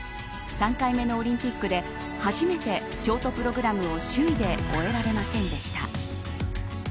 ３回目のオリンピックで初めてショートプログラムを首位で終えられませんでした。